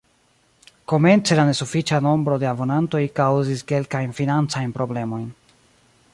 Komence la nesufiĉa nombro de abonantoj kaŭzis kelkajn financajn problemojn.